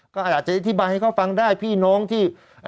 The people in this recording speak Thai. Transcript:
ก็อาจจะอธิบายให้เขาฟังได้พี่น้องที่